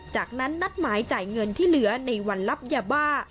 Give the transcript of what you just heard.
จากนั้นนัดหมายจ่ายเงินที่เหลือในวันรับยาบ้า